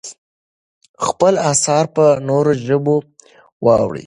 خپل اثار په نورو ژبو واړوئ.